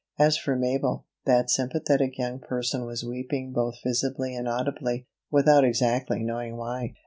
As for Mabel, that sympathetic young person was weeping both visibly and audibly, without exactly knowing why.